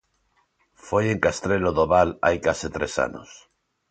Foi en Castrelo do Val hai case tres anos.